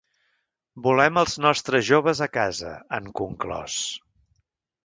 Volem als nostres joves a casa, han conclòs.